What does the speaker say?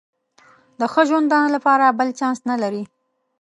د ښه ژوندانه لپاره بل چانس نه لري.